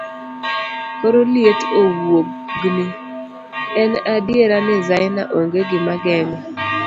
koro liet owuogni, en adiera ni Zaina ong'e gima geng'o